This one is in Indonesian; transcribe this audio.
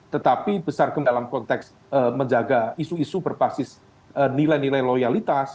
tetapi besar dalam konteks menjaga isu isu berbasis nilai nilai loyalitas